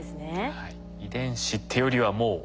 はい。